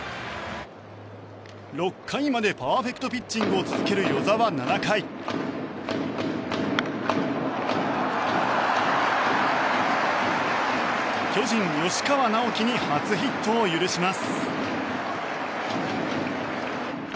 ６回までパーフェクトピッチングを続ける與座は７回巨人、吉川尚輝に初ヒットを許します。